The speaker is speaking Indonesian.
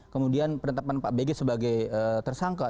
kemudian penetapan pak bg sebagai tersangka